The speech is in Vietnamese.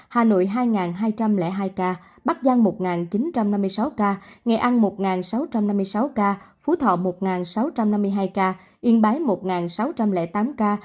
hà nội hai hai trăm linh hai ca bắc giang một chín trăm năm mươi sáu ca nghệ an một sáu trăm năm mươi sáu ca phú thọ một sáu trăm năm mươi hai ca yên bái một sáu trăm linh tám ca